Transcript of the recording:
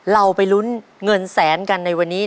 เราไปลุ้นเงินแสนกันในวันนี้